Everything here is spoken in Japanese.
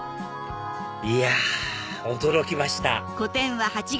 いや驚きました